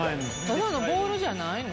ただのボールじゃないの？